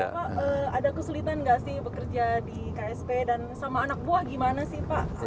pak ada kesulitan nggak sih bekerja di ksp dan sama anak buah gimana sih pak